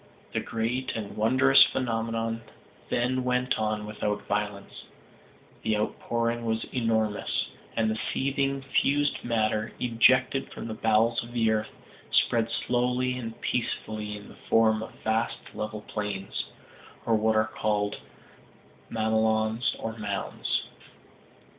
The great and wondrous phenomenon then went on without violence the outpouring was enormous, and the seething fused matter, ejected from the bowels of the earth, spread slowly and peacefully in the form of vast level plains, or what are called mamelons or mounds.